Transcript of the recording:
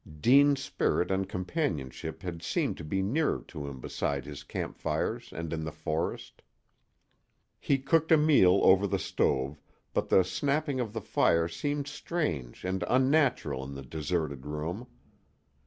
Deane's spirit and companionship had seemed to be nearer to him beside his campfires and in the forest. He cooked a meal over the stove, but the snapping of the fire seemed strange and unnatural in the deserted room.